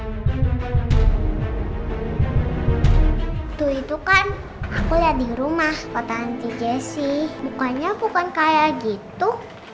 itu itu kan aku lihat di rumah kota anti jessy bukannya bukan kayak gitu